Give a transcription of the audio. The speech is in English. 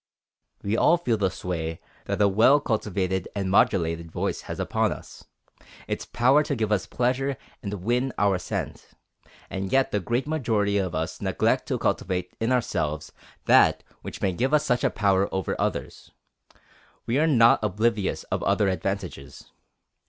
We all feel the sway that a well cultivated and modulated voice has upon us, its power to give us pleasure and win our assent, and yet the great majority of us neglect to cultivate in ourselves that which may give us such a power over others. We are not oblivious of other advantages.